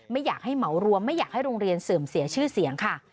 ไม่อยากให้เหมารวมไม่อยากให้โรงเรียนเสื่อมเสียชื่อเสียงค่ะ